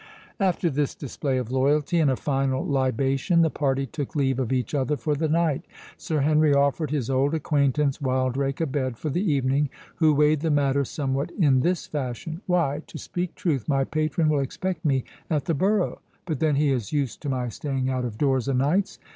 After this display of loyalty, and a final libation, the party took leave of each other for the night. Sir Henry offered his old acquaintance Wildrake a bed for the evening, who weighed the matter somewhat in this fashion: "Why, to speak truth, my patron will expect me at the borough—but then he is used to my staying out of doors a nights.